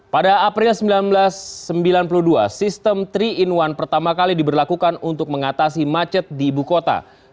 pada april seribu sembilan ratus sembilan puluh dua sistem tiga in satu pertama kali diberlakukan untuk mengatasi macet di ibu kota